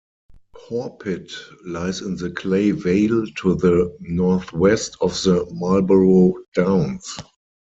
Horpit lies in the clay vale to the northwest of the Marlborough Downs.